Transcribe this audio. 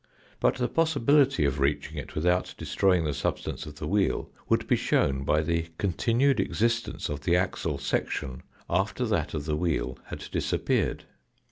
But the possibility of reaching it without destroying the substance of the wheel would be shown by the continued existence of the axle section after that of the wheel had disappeared.